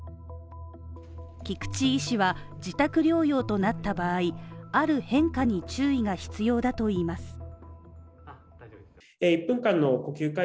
菊池医師は自宅療養となった場合、ある変化に注意が必要だといいます。